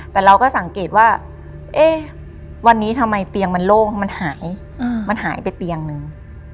แต่เราก็สังเกตว่าเอ๊ะวันนี้ทำไมเตียงมันโล่งมันหายมันหายไปเตียงนึง